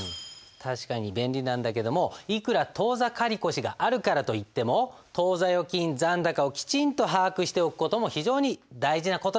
確かに便利なんだけどもいくら当座借越があるからといっても当座預金残高をきちんと把握しておく事も非常に大事な事なんです。